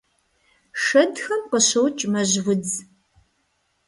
Шэдхэм къыщокӀ мэжьудз.